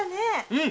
うん！